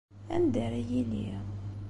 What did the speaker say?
Anda ara yili?